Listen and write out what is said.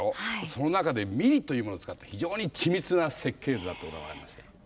その中で「ミリ」というものを使って非常に緻密な設計図だったことが分かりますね。